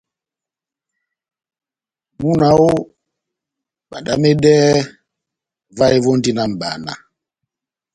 Múna oooh, bandamedɛhɛ, vahe vondi na mʼbana.